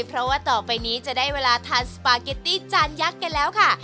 เพราะว่าต่อไปนี้จะได้เวลาทานสปาเกตตี้จานยักษ์กันแล้วค่ะ